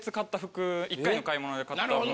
１回の買い物で買った分。